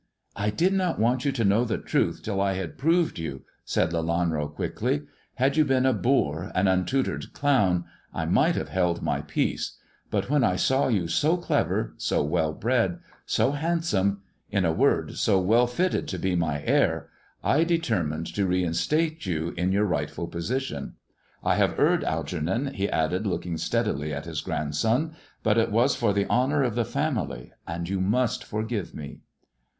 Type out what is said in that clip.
I did not want you to know the truth till I had proved you," said Lelanro quickly. "Had you been a boor, an untutoted clown, I might have held my peace, but when I saw you so clever, so well bred, so handsome ; in a word, so 160 THE dwarf's chamber well fitted to be my heir, I determined to reinstate you in . your rightful position. I have erred, Algernon," he added, looking steadily at his grandson, " but it was for the honour of the family, and you must forgive me."